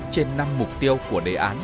bốn trên năm mục tiêu của đề án